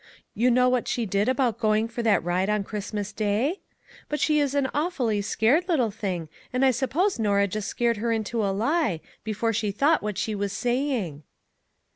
You know what she did about going for that ride on Christmas Day? But she is an awfully scared little thing, and I suppose Norah just scared her into a lie, before she thought what she was saying."